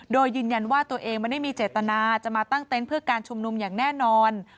โดยยืนยันว่าตัวเองไม่ได้มีเจตนาจะมาตั้งเต็นต์เพื่อการชุมนุมอย่างแน่นอน